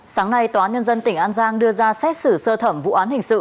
sáng nay tòa án nhân dân tỉnh an giang đưa ra xét xử sơ thẩm vụ án hình sự